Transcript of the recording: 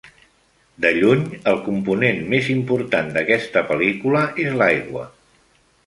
De lluny, el component més important d'aquesta pel·lícula és l'aigua.